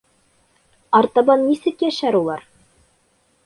Артабан нисек йәшәр улар?